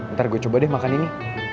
ntar gue coba deh makan ini